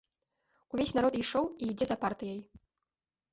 Увесь народ ішоў і ідзе за партыяй.